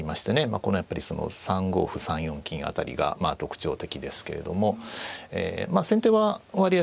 このやっぱりその３五歩３四金辺りがまあ特徴的ですけれどもまあ先手は割合